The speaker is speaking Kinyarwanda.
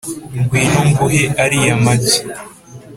ngwino nguhe ariya magi